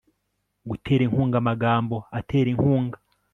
gutera inkunga amagambo atera inkunga